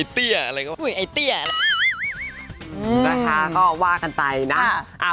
ดีนะค่ะก็ว่ากันไซอย่างไปนะ